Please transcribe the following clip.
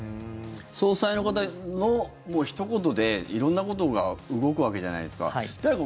総裁の方のひと言で色んなことが動くわけじゃないですか。